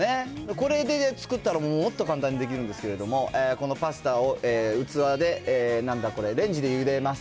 これで作ったら、もっと簡単にできるんですけれども、このパスタを器で、なんだこれ、レンジでゆでます。